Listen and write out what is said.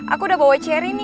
aku udah bawa cherry nih